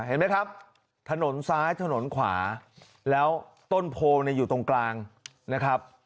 เห็นไหมครับถนนซ้ายถนนขวาแล้วต้นโพลอยู่ตรงกลางนะครับ